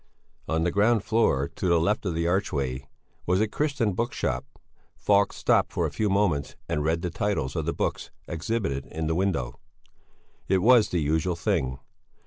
On the ground floor, to the left of the archway, was a Christian bookshop. Falk stopped for a few moments and read the titles of the books exhibited in the window. It was the usual thing.